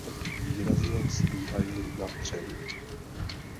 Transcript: Výrazně sbíhají na třeň.